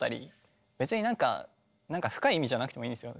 別になんか深い意味じゃなくてもいいんですよ